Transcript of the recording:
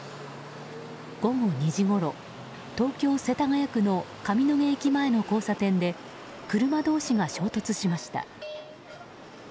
午後２時ごろ東京・世田谷区の上野毛駅前の交差点で車同士が衝突しました。